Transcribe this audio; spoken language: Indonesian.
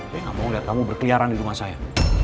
saya gak mau liat kamu berkeliaran di rumah saya